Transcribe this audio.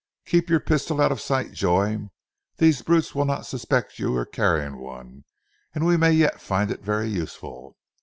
"Keep your pistol out of sight, Joy. These brutes will not suspect you are carrying one, and we may yet find it very useful.